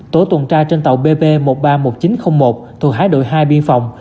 tổ tuần tra trên tàu bp một nghìn ba trăm một mươi chín một thuộc hái đội hai biên phòng